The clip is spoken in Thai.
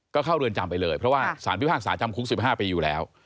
ก็เข้าเรือนจำไปเลยเพราะว่าสารพิพากษาจำคุก๑๕ปีอยู่แล้ว